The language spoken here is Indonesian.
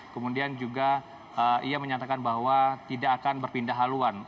kemudian juga ia menyatakan bahwa tidak akan berpindah haluan